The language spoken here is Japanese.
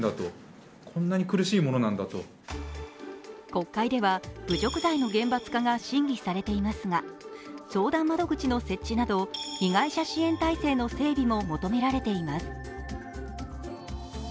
国会では侮辱罪の厳罰化が審議されていますが相談窓口の設置など被害者支援体制の相談窓口の設置など、整備も求められています。